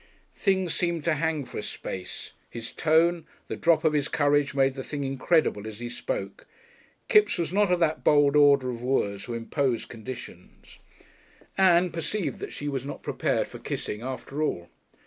Things seemed to hang for a space; his tone, the drop of his courage, made the thing incredible as he spoke. Kipps was not of that bold order of wooers who impose conditions. Ann perceived that she was not prepared for kissing after all.